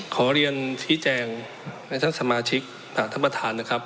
ขอเรียนชี้แจงให้ท่านสมาชิกท่านประธานนะครับ